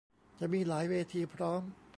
จะมีหลายเวทีพร้อม